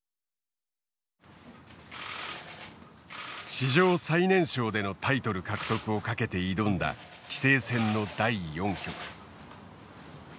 史上最年少でのタイトル獲得をかけて挑んだ棋聖戦の第４局。